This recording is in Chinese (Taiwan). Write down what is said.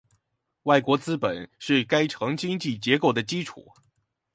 外國資本是該城經濟結構的基礎